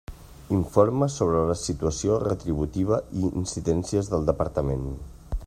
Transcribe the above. Informa sobre la situació retributiva i incidències del Departament.